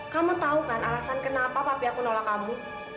kamu tau kan alasan kenapa papi aku nolak kamu